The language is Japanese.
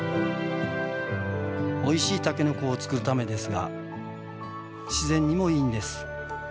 おいしいタケノコを作るためですが自然にもいいんです。